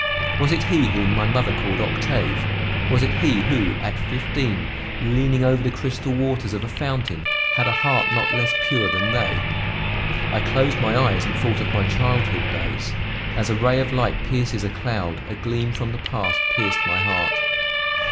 Was it he whom my mother called Octave? Was it he who, at fifteen, leaning over the crystal waters of a fountain, had a heart not less pure than they? I closed my eyes and thought of my childhood days. As a ray of light pierces a cloud, a gleam from the past pierced my heart.